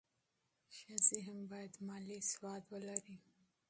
ښځې هم باید مالي سواد ولري.